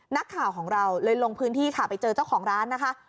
นักข่าวของเราเลยลงพื้นที่ค่ะไปเจอเจ้าของร้านนะคะ